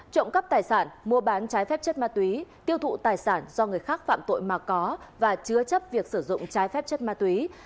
trộm cắp tài sản mua bán trái phép chất ma túy tiêu thụ tài sản do người khác phạm tội mà có và chứa chấp việc sử dụng trái phép chất ma túy